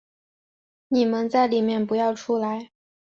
你们在里面不要出来